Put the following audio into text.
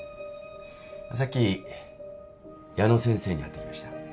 さっき矢野先生に会ってきました。